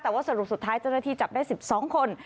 แต่ว่าสรุปสุดท้ายเจ้าหน้าที่จับได้๑๒คน